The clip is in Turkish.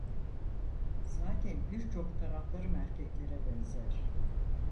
Zaten birçok taraflarım erkeklere benzer…